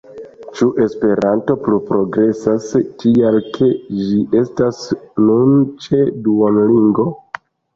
Ĉu do Esperanto pluprogresas, tial ke ĝi estas nun ĉe Duolingo?